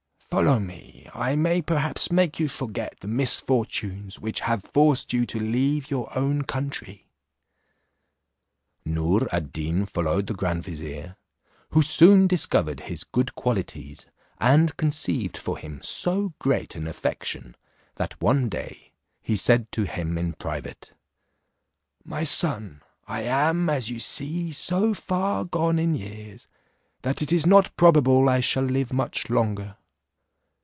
Follow me; I may perhaps make you forget the misfortunes which have forced you to leave your own country." Noor ad Deen followed the grand vizier, who soon discovered his good qualities, and conceived for him so great an affection, that one day he said to him in private, "My son, I am, as you see, so far gone in years, that it is not probable I shall live much longer.